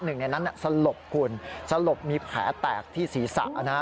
หนึ่งในนั้นสลบคุณสลบมีแผลแตกที่ศีรษะนะฮะ